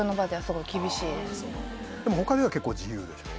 でも他では結構自由でしょ？